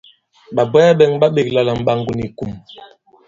Ɓàbwɛɛ bɛ̄ŋ ɓa ɓēkla la Mɓàŋgò ni Kum.